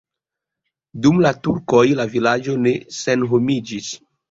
Dum la turkoj la vilaĝo ne senhomiĝis.